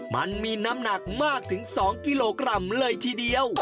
มันมีน้ำหนักมากถึง๒กิโลกรัมเลยทีเดียว